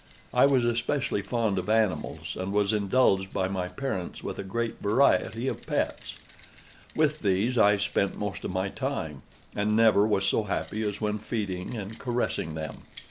I was especially fond of animals, and was indulged by my parents with a great variety of pets. With these I spent most of my time, and never was so happy as when feeding and caressing them.